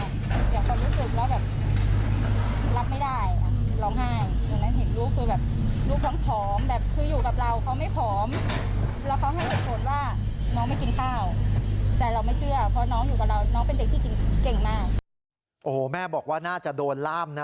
โอ้โหแม่บอกว่าน่าจะโดนล่ามนะ